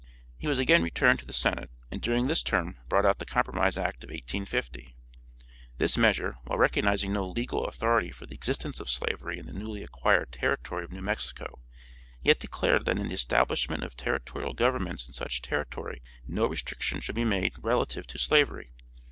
He was again returned to the senate, and during this term brought out the compromise act of 1850. This measure, while recognizing no legal authority for the existence of slavery in the newly acquired territory of New Mexico, yet declared that in the establishment of territorial governments in such territory no restriction should be made relative to slavery.